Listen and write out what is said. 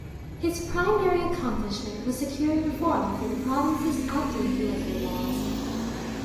His primary accomplishment was securing reform for the province's outdated liquor laws.